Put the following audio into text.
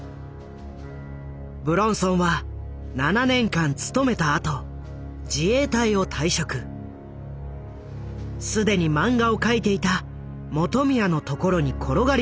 武論尊は７年間勤めたあと既に漫画を描いていた本宮のところに転がり込んだ。